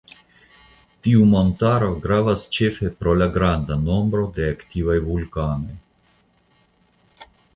Tiu montaro gravas ĉefe pro la granda nombro de aktivaj vulkanoj.